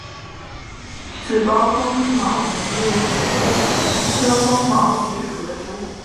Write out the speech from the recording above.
齿苞风毛菊为菊科风毛菊属的植物。